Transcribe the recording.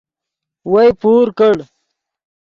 وئے پور کڑ